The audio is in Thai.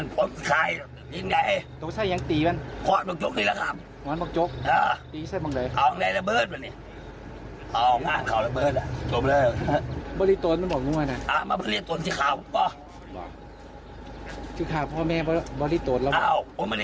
เพราะเนี่ยค่ะเดี๋ยวให้ดูตอนที่ขึ้นรถกระบาดไปกับตำรวจ